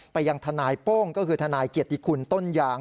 ไปยังทนายโป้งก็คือทนายเกียรติคุณต้นยาง